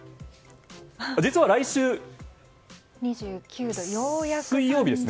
実は来週、水曜日ですね。